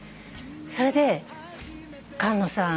それで「菅野さん